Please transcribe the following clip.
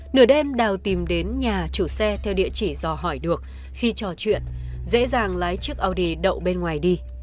nửa đêm đào tìm đến nhà chủ xe theo địa chỉ do hỏi được khi trò chuyện dễ dàng lái chiếc audy đậu bên ngoài đi